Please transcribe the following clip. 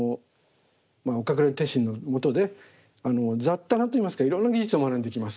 岡倉天心のもとで雑多なといいますかいろんな技術を学んでいきます。